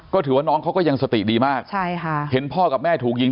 ก็ถือว่าน้องเขาก็ยังสติดีมากใช่ค่ะเห็นพ่อกับแม่ถูกยิง